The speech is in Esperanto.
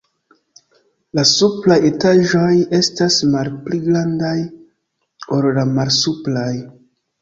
La supraj etaĝoj estas malpli grandaj ol la malsupraj.